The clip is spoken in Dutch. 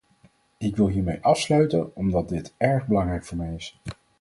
Ik wil hiermee afsluiten omdat dit erg belangrijk voor mij is.